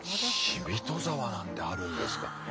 死人沢なんてあるんですか。